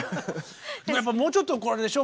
でももうちょっとあれでしょ？